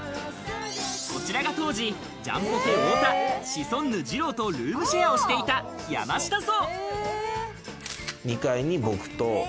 こちらが当時ジャンポケ・太田、シソンヌ・じろうと、ルームシェアをしていた山下荘。